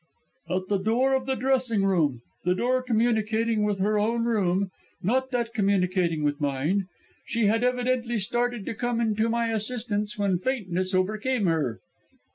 "At the door of the dressing room the door communicating with her own room, not that communicating with mine. She had evidently started to come to my assistance when faintness overcame her."